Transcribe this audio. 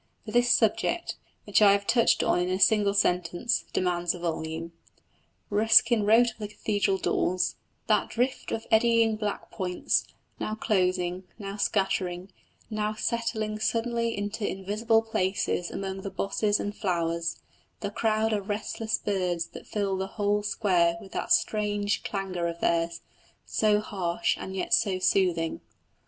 But this subject, which I have touched on in a single sentence, demands a volume. Ruskin wrote of the cathedral daws, "That drift of eddying black points, now closing, now scattering, now settling suddenly into invisible places among the bosses and flowers, the crowd of restless birds that fill the whole square with that strange clangour of theirs, so harsh and yet so soothing."